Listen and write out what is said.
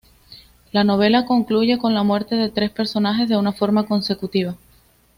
La novela concluye con la muerte de tres personajes de una forma consecutiva.